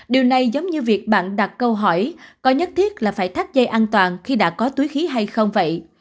điều này giống như việc bạn đặt câu hỏi có nhất thiết là phải thắt dây an toàn khi đã có túi khí hay không vậy